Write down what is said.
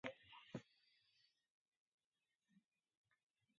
Bozketa gaur gauean hasiko da.